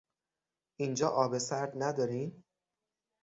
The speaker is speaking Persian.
اینجا آب سرد ندارین؟